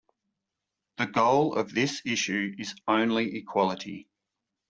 The goal of this issue is only equality.